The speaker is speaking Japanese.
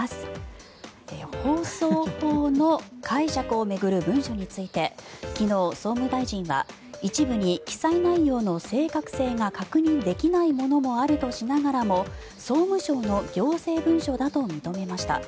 放送法の解釈を巡る文書について昨日、総務大臣は一部に記載内容の正確性が確認できないものもあるとしながらも総務省の行政文書だと認めました。